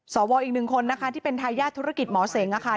สวอีกหนึ่งคนนะคะที่เป็นทายาทธุรกิจหมอเสงอะค่ะ